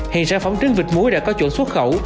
hiện sản phẩm trứng vịt muối đã có chỗ xuất khẩu